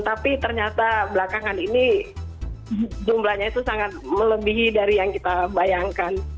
tapi ternyata belakangan ini jumlahnya itu sangat melebihi dari yang kita bayangkan